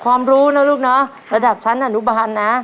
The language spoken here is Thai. ความรู้นะลูกเนอะระดับชั้นอนุบาลนะ